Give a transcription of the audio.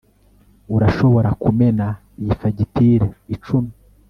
urashobora kumena iyi fagitire icumi